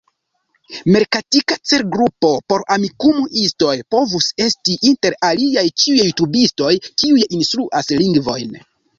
Merkatika celgrupo por Amikumu-istoj povus esti, inter aliaj, ĉiuj jutubistoj kiuj instruas lingvojn.